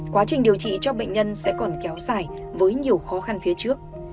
quá trình điều trị cho bệnh nhân sẽ còn kéo dài với nhiều khó khăn phía trước